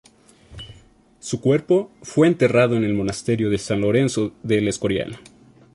Su cuerpo fue enterrado en el Monasterio de San Lorenzo de El Escorial.